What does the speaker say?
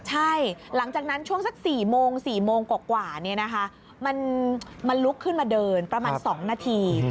ใช่หลังจากนั้นช่วงสัก๔โมง๔โมงกว่ามันลุกขึ้นมาเดินประมาณ๒นาที